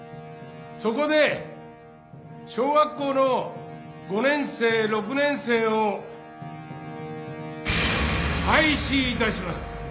そこで小学校の５年生６年生を廃止いたします」。